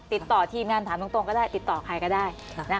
ติดต่อทีมงานถามตรงก็ได้ติดต่อใครก็ได้